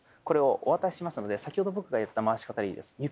これをお渡ししますので先ほど僕がやった回し方でいいです。